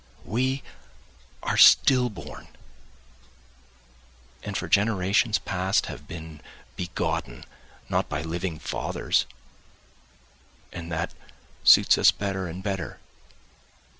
We are stillborn, and for generations past have been begotten, not by living fathers, and that suits us better and better.